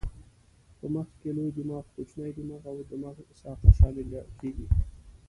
په مغز کې لوی دماغ، کوچنی دماغ او د مغز ساقه شامله کېږي.